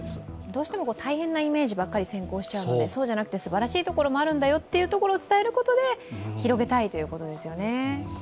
どうしても大変なイメージばっかり先行しちゃうけどそうじゃなくて、すばらしいところもあるよと伝えることで広げたいということですよね。